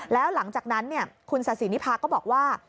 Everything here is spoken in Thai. แล้วหลังจากนั้นคุณศาสินิพาก็บอกว่า